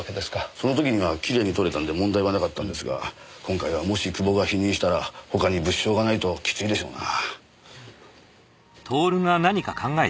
その時にはきれいに採れたんで問題はなかったんですが今回はもし久保が否認したら他に物証がないときついでしょうな。